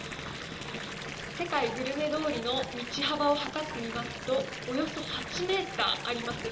世界グルメ通りの道幅を測ってみますとおよそ８ｍあります。